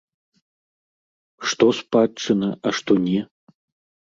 Што спадчына, а што не?